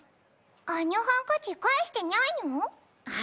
あのハンカチ返してにゃいの？